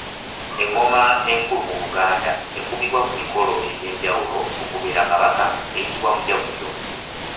Engoma enkulu mu Buganda ekubibwa ku mikolo egy’enjawulo okubeera Kabaka eyitibwa Mujaguzo.